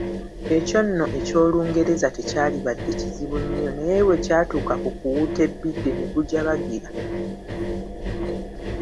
Ekyo nno eky'olungereza tekyalibadde kizibu nnyo naye bwe kyatuuka ku kuwuuta ebbidde ne gujabajjira.